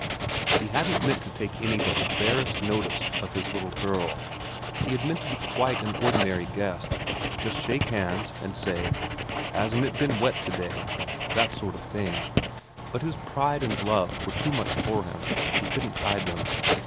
He hadn't meant to take any but the barest notice of his little girl, he had meant to be quite an ordinary guest just shake hands and say ' Hasn't it been wet to day ' that sort of thing ; but his pride and love were too much for him, he couldn't hide them.